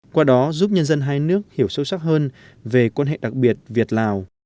qua đó giúp nhân dân hai nước hiểu sâu sắc hơn về quan hệ đặc biệt việt lào